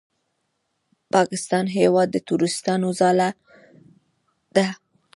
پاکستان هېواد د تروریستانو ځاله ده!